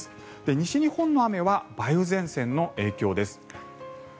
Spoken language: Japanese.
西日本の雨は梅雨前線の影響です。